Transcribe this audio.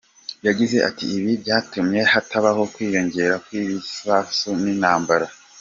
Yagize ati“Ibi byatumye hatabaho kwiyongera kw’ibi bisasu n’intambara.